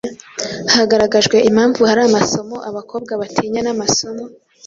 Hagaragajwe impamvu hari amasomo abakobwa batinya n’amasomo